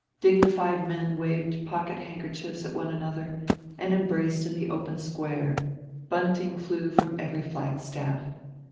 Dignified men waved pocket handkerchiefs at one another, and embraced in the open square: bunting flew from every flag staff.